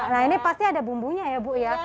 nah ini pasti ada bumbunya ya bu ya